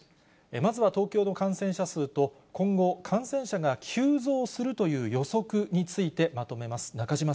まずは東京の感染者数と、今後、感染者が急増するという予測についてまとめます。